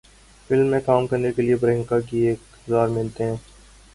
film میں کام کیلئے پریانکا کی ایک ہزار منتیں